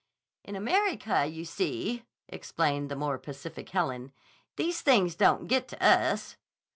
"In America, you see," explained the more pacific Helen, "these things don't get to us."